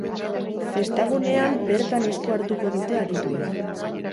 Festa gunean bertan esku hartuko dute adituek.